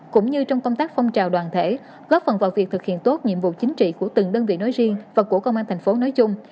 cũng như trong công tác phong trào đoàn thể góp phần vào việc thực hiện tốt nhiệm vụ chính trị của từng đơn vị nói riêng và của công an thành phố nói chung